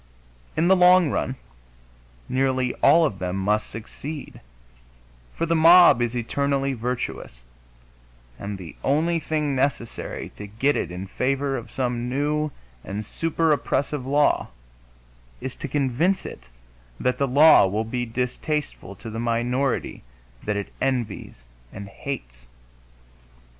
In the long run, nearly all of them must succeed, for the mob is eternally virtuous, and the only thing necessary to get it in favor of some new and super oppressive law is to convince it that that law will be distasteful to the minority that it envies and hates.